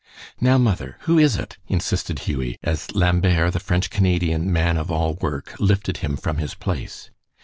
"Now, mother, who is it?" insisted Hughie, as Lambert, the French Canadian man of all work, lifted him from his place.